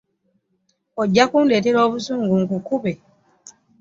Ojja kundeeta obusungu nkukube.